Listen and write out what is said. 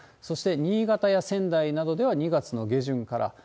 そして、新潟や仙台などでは２月の下旬から。